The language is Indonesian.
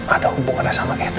ada hubungan sama catherine